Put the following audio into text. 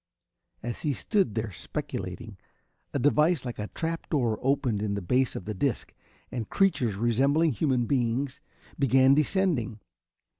As he stood there speculating, a device like a trap door opened in the base of the disc, and creatures resembling human beings began descending.